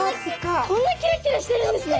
こんなキラキラしてるんですね！